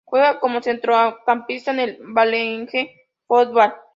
Juega como centrocampista en el Vålerenga Fotball.